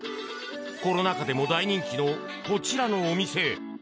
コロナ禍でも大人気のこちらのお店。